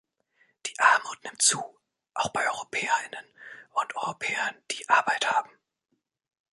Die Armut nimmt zu, auch bei Europäerinnen und Europäern, die Arbeit haben.